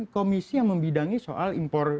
komisi yang membidangi soal